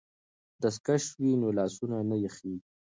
که دستکش وي نو لاسونه نه یخیږي.